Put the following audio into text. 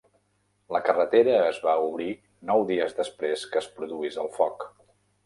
La carretera es va obrir nou dies després que es produís el foc.